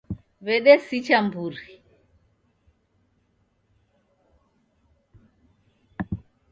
W'edesicha mburi.